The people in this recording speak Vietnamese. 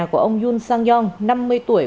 của ông yoon sang yong năm mươi tuổi